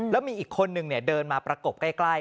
แล้วมีอีกคนนึงเดินมาประกบใกล้